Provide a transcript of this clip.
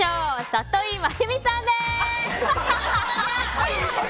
里井真由美さんです。